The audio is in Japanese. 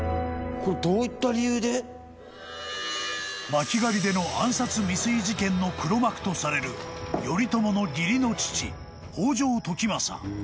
［巻狩りでの暗殺未遂事件の黒幕とされる頼朝の義理の父北条時政］